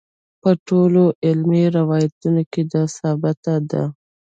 په ټولو علمي روایتونو کې دا ثابته ده.